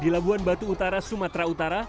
di labuan batu utara sumatera utara